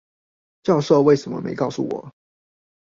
教授為什麼沒告訴我